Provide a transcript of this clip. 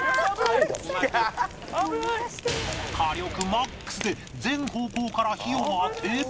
火力 ＭＡＸ で全方向から火を当て